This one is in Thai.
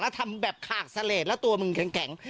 ทำแบบขากเสลดแล้วตัวมึงแข็ง